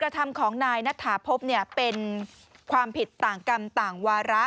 ถาพบเป็นความผิดต่างกรรมต่างวาระ